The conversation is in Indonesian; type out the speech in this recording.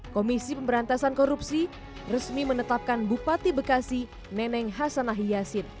komisi pemberantasan korupsi resmi menetapkan bupati bekasi neneng hasanah yasin